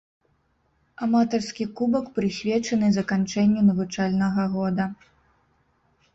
Аматарскі кубак прысвечаны заканчэнню навучальнага года.